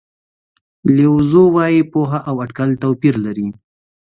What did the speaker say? لیو زو وایي پوهه او اټکل توپیر لري.